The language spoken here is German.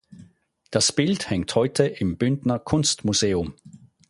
Das Bild hängt heute im Bündner Kunstmuseum.